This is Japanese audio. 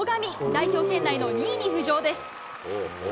代表圏内の２位に浮上です。